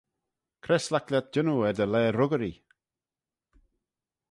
Cre s'laik lhiat jannoo er dty laa ruggyree?